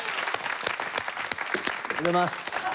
おはようございます。